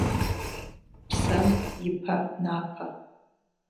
Псэм ипэ напэ.